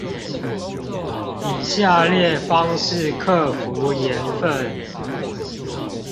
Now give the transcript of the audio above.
以下列方式克服鹽分